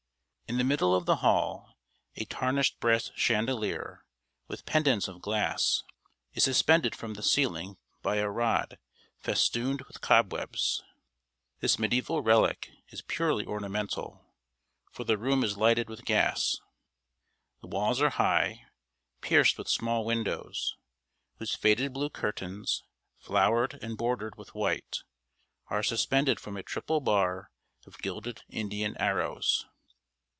In the middle of the hall, a tarnished brass chandelier, with pendants of glass, is suspended from the ceiling by a rod festooned with cobwebs. This medieval relic is purely ornamental, for the room is lighted with gas. The walls are high, pierced with small windows, whose faded blue curtains, flowered and bordered with white, are suspended from a triple bar of gilded Indian arrows.